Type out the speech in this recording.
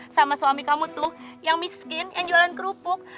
sama suami kamu tuh yang miskin yang jualan kerupuk